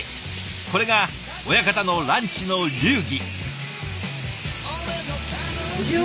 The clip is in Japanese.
これが親方のランチの流儀。